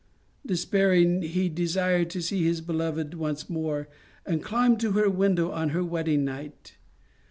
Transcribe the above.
Despairing, he desired to see his beloved once more, and climbed to her window on her wedding night.